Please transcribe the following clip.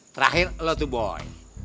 terakhir lo tuh boy